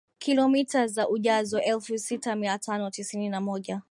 kilomita za ujazo elfusita miatano tisini na moja